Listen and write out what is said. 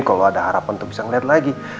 kalau ada harapan tuh bisa ngeliat lagi